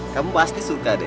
kamu pasti suka deh